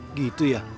oh gitu ya